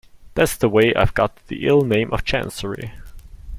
That's the way I've got the ill name of Chancery.